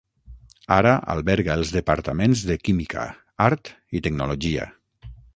Ara alberga els Departaments de Química, Art i Tecnologia.